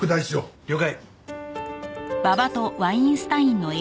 了解。